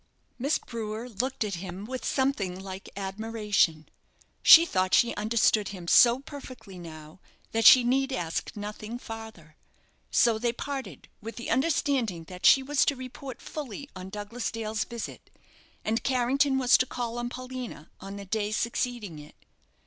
Miss Brewer looked at him with something like admiration. She thought she understood him so perfectly now, that she need ask nothing farther. So they parted with the understanding that she was to report fully on Douglas Dale's visit, and Carrington was to call on Paulina on the day succeeding it.